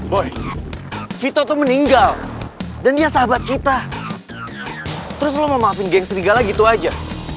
boy vito tuh meninggal dan dia sahabat kita terus lo mau maafin geng serigala gitu aja